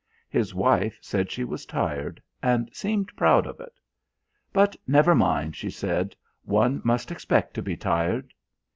His wife said she was tired and seemed proud of it. "But never mind," she said, "one must expect to be tired."